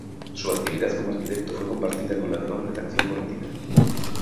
Su actividad como arquitecto fue compartida con la del hombre de acción política.